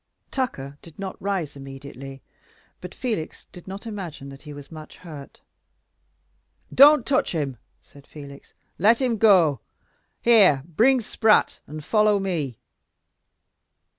Tucker did not rise immediately; but Felix did not imagine that he was much hurt. "Don't touch him!" said Felix. "Let him go. Here, bring Spratt, and follow me."